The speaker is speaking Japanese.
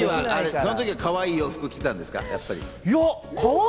その時はかわいい洋服を着てたんですか？